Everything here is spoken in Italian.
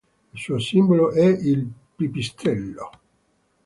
Il suo simbolo è il pipistrello.